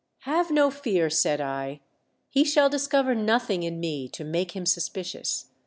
" Have no fear," said I ; "he shall discover nothing in me to make him suspicious.